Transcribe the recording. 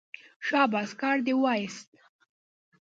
شاباس کار دې وایست.